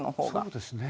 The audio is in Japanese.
そうですね。